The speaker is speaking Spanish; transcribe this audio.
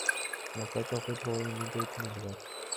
La estatua fue probablemente hecha en el lugar.